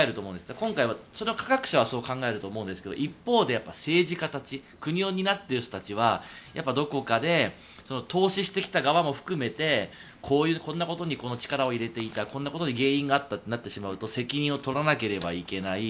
今回は、科学者はそう考えると思うんですが一方で、政治家たち国を担っている人たちはどこかで投資してきた側も含めてこんなことに力を入れていたこんなことに原因があったってなってしまうと責任を取らなければいけない。